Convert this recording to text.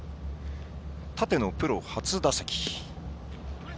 立野、プロ初打席。